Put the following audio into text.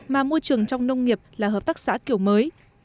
mà môi trường trong nông nghiệp là hợp tác xã kiểu mới